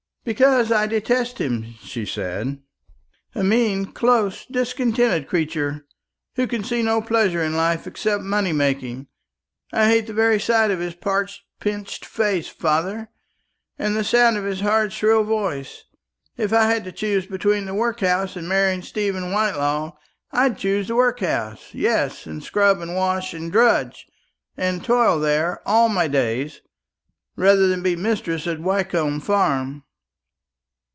"Because I detest him," she said; "a mean, close, discontented creature, who can see no pleasure in life except money making. I hate the very sight of his pale pinched face, father, and the sound of his hard shrill voice. If I had to choose between the workhouse and marrying Stephen Whitelaw, I'd choose the workhouse; yes, and scrub, and wash, and drudge, and toil there all my days, rather than be mistress of Wyncomb Farm."